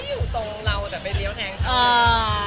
อยู่ตรงเราแต่ไปเลี้ยวแทงเขา